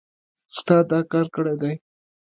تا دا کار کړی دی